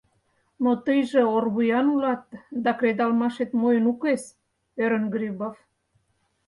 — Но тыйже орвуян улат да кредалмашет мойн укес?! — ӧрын Грибов.